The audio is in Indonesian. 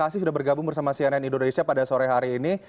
sudah bergabung bersama cnn indonesia pada sore hari ini